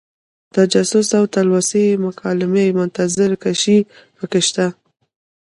تجسس او تلوسه مکالمې منظر کشۍ پکې شته.